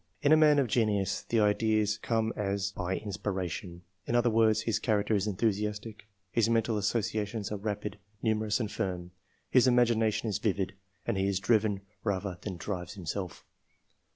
In a man of genius, the ideas come as by inspiration ; in other words, his character is enthusiastic, his mental associations are rapid, numerous and firm, his imagination is vivid, and he is driven rather than drives himself.